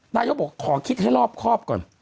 นายกบอกขอคิดให้รอบครอบก่อน